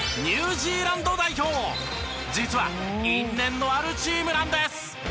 実は因縁のあるチームなんです。